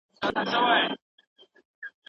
د ژوند په میینانو لر و بر لارې تړلي